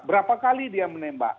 berapa kali dia menembak